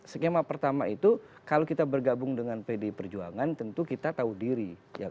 skema pertama itu kalau kita bergabung dengan pdi perjuangan tentu kita tahu diri